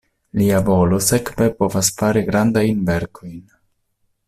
Lia volo sekve povas fari grandajn verkojn.